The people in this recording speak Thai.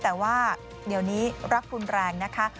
แต่ว่าเดี๋ยวนี้รักรุนแรงนะคะ